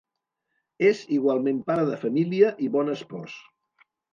És igualment pare de família i bon espòs.